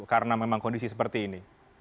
karena memang kondisi seperti ini